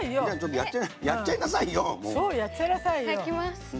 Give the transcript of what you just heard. やっちゃいなさいよ！